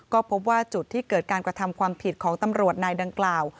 ก็พบว่าจุดที่เกิดการกระทำความผิดของตำรวจนายดังกล่าว